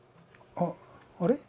あっあれ？